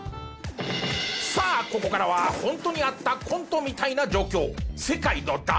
さあここからはホントにあったコントみたいな状況。